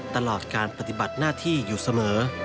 ตลอดการปฏิบัติหน้าที่อยู่เสมอ